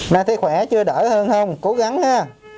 nay thấy khỏe chưa đỡ hơn không cố gắng ha